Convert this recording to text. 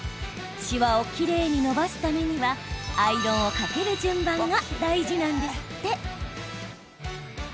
しわをきれいに伸ばすためにはアイロンをかける順番が大事なんですって。